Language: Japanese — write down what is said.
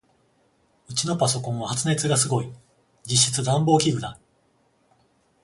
ウチのパソコンは発熱がすごい。実質暖房器具だ。